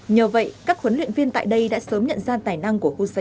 nhờ vậy các huấn luyện viên tại đây đã sớm nhận ra tài năng của hussein